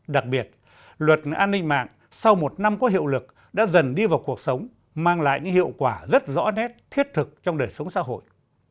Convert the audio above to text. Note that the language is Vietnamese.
đặc biệt luật an ninh mạng sau một năm có hiệu lực đã dần đi vào cuộc sống mang lại những hiệu quả rất rõ nét thiết thực trong đời sống xã hội